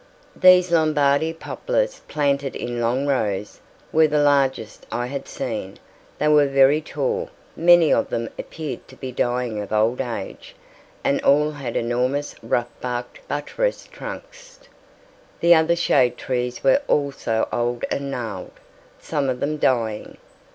These Lombardy poplars, planted in long rows, were the largest I had seen: they were very tall; many of them appeared to be dying of old age, and all had enormous rough barked buttressed trunks. The other shade trees were also old and gnarled, some of them dying.